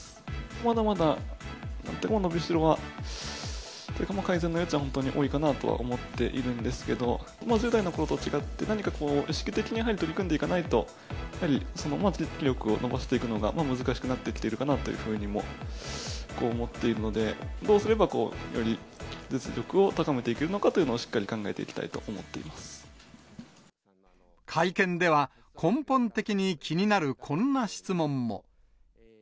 まだまだ伸びしろは、やはり改善の余地は多いかなとは思っているんですけど、１０代のころと違って、何か意識的にやはり取り組んでいかないと、やはり棋力を伸ばしていくのが難しくなってきているかなというふうにも思っているので、どうすればより実力を高めていけるのかというのを、しっかりと考会見では、根本的に気になるこんな質問も。